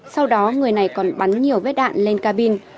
sau đó người này còn bắn nhiều vết đạn lên cabin